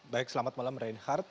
baik selamat malam reinhardt